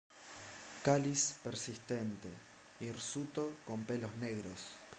Cáliz persistente, hirsuto, con pelos negros.